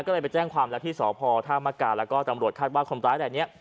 ก็เลยไปแจ้งความรักที่สพทมและก็ตำรวจคาดว่าคนตายแบบนี้